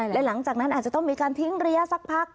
และหลังจากนั้นอาจจะต้องมีการทิ้งระยะสักพัก